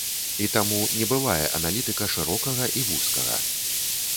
І таму не бывае аналітыка шырокага і вузкага.